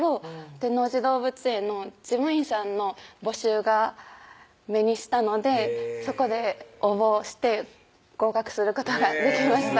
天王寺動物園の事務員さんの募集が目にしたのでそこで応募して合格することができました